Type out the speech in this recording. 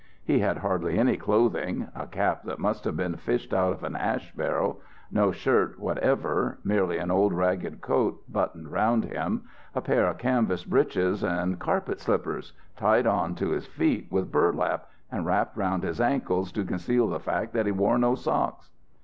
He had hardly any clothing; a cap that must have been fished out of an ash barrel, no shirt whatever, merely an old ragged coat buttoned round him, a pair of canvas breeches and carpet slippers tied on to his feet with burlap, and wrapped round his ankles to conceal the fact that he wore no socks.